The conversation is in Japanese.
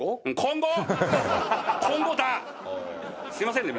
すいませんね。